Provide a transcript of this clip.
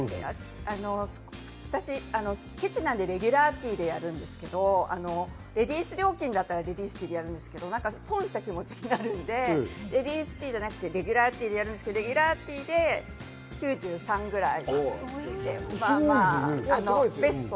私、ケチなんでレギュラーティーでやるんですけど、レディース料金だったらレディースティーでやるんですけど、損した気持ちになるので、レディースティーじゃなくてレギュラーティーでやるんですけど、レギュラーティーで９３ぐらい。